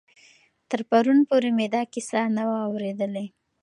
تر پرون پورې مې دا کیسه نه وه اورېدلې.